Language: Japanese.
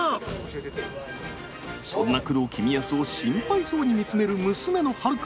そんな工藤公康を心配そうに見つめる娘の遥加。